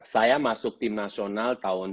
saya masuk tim nasional tahun sembilan puluh tujuh